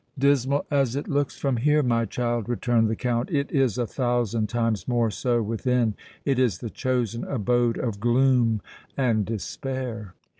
"Dismal as it looks from here, my child," returned the Count, "it is a thousand times more so within! It is the chosen abode of gloom and despair!"